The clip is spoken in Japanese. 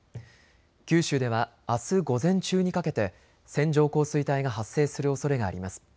九州では、あす午前中にかけて線状降水帯が発生するおそれがあります。